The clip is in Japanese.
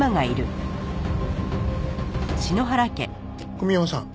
小宮山さん